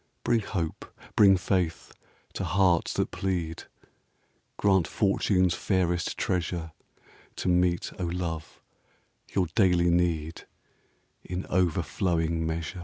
Bring hope, bring faith, to hearts that plead ! Grant fortune's fairest treasure To meet, O love, your daily need In over flowing measure.